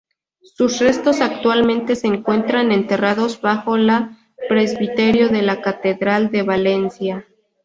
Sus restos actualmente se encuentran enterrados bajo el presbiterio de la Catedral de Valencia.